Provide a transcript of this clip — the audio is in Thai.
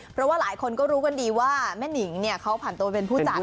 เพราะว่าหลายคนก็รู้กันดีว่าแม่นิงเนี่ยเขาผ่านตัวเป็นผู้จัด